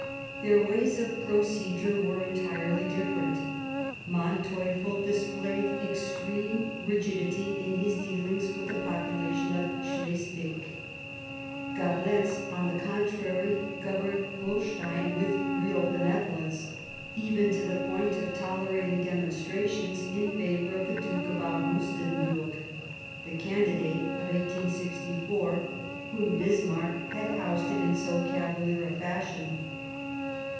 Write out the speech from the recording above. Their ways of procedure were entirely different : Man teuffel displayed extreme rigidity in his dealings with the population of Slesvig ; Gablenz, on the contrary, governed Holstein with real benevolence, even to the point of tolerating demonstrations in favour of the Duke of Augustenburg, the candidate of 1864, whom Bismarck had ousted in so cavalier a fashion.